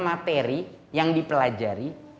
materi yang dipelajari